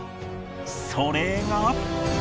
それが。